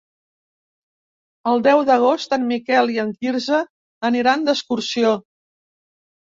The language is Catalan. El deu d'agost en Miquel i en Quirze aniran d'excursió.